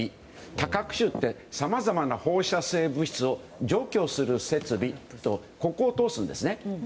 多核種ってさまざまな放射性物質を除去する設備というここを通すんですね。